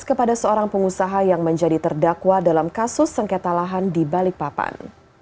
kepada seorang pengusaha yang menjadi terdakwa dalam kasus sengketa lahan di balikpapan